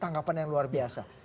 tanggapan yang luar biasa